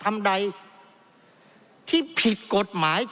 เพราะเรามี๕ชั่วโมงครับท่านนึง